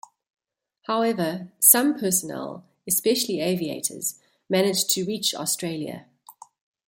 However, some personnel, especially aviators, managed to reach Australia.